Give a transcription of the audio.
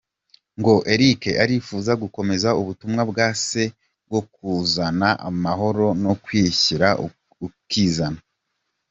Ngo Eric arifuza gukomeza ubutumwa bwa se bwo kuzana amahoro no kwishyira ukizana.